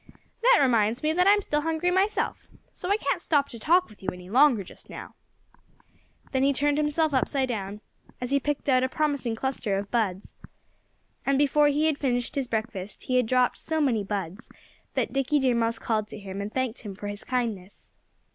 "That reminds me that I'm still hungry myself. So I can't stop to talk with you any longer just now." Then he turned himself upside down, as he picked out a promising cluster of buds. And before he had finished his breakfast he had dropped so many buds that Dickie Deer Mouse called to him and thanked him for his kindness.